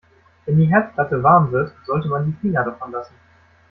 Wenn die Herdplatte warm wird, sollte man die Finger davon lassen.